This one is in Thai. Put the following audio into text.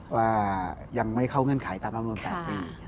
ว่ายังไม่เข้าเงื่อนไขตามลำนวน๘ปี